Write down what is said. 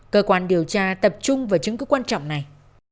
cơ quan điều tra tập trung vào chứng cứ quan trọng này